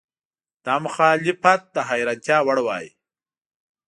دا مخالفت د حیرانتیا وړ وای.